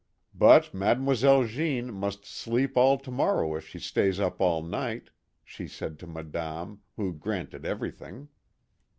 " But Mademoiselle Jeanne must sleep all to morrow if she stays up all night," she said to Madame, who granted everything.